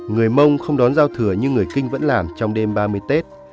người mông không đón giao thừa nhưng người kinh vẫn làm trong đêm ba mươi tết